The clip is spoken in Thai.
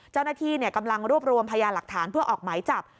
เจ้าหน้าที่กำลังรวบรวมพยานหลักฐานเพื่อออกหมายจับ